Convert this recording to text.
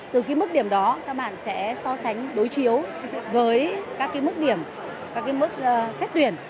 từ mức điểm đó các bạn sẽ so sánh đối chiếu với mức điểm mức xét tuyển